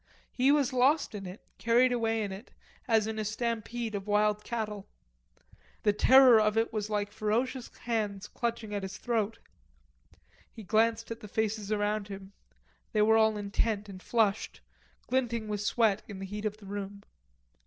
He was lost in it, carried away in it, as in a stampede of wild cattle. The terror of it was like ferocious hands clutching his throat. He glanced at the faces round him. They were all intent and flushed, glinting with sweat in the heat of the room.